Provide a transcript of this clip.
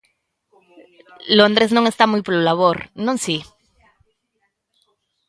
Londres non está moi polo labor, non si?